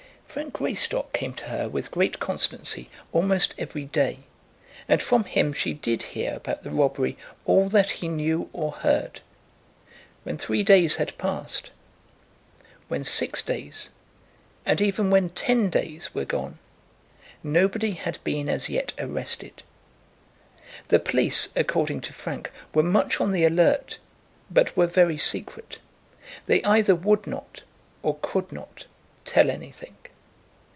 Frank Greystock came to her with great constancy almost every day, and from him she did hear about the robbery all that he knew or heard. When three days had passed, when six days, and even when ten days were gone, nobody had been as yet arrested. The police, according to Frank, were much on the alert, but were very secret. They either would not, or could not, tell anything.